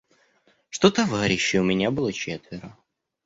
Что товарищей у меня было четверо: